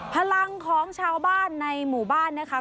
พลังของชาวบ้านในหมู่บ้านนะคะ